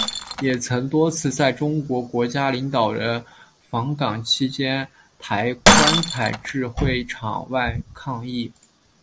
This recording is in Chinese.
也曾多次在中国国家领导人访港期间抬棺材至会场外抗议。